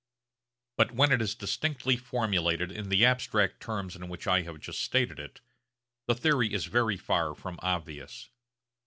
But when it is distinctly formulated in the abstract terms in which I have just stated it, the theory is very far from obvious.